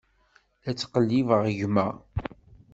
La ttqellibeɣ gma.